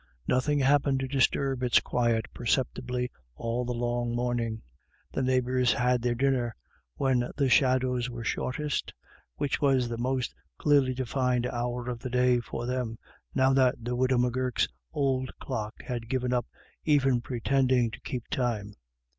Nothing happened to disturb its quiet perceptibly all the long morning. The neighbours had their dinner when the shadows were shortest, which was the most clearly defined hour of the day for them now that the widow M'Gurk's old clock had given up even pretending to keep time.